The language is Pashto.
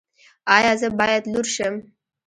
ایا زه باید لور شم؟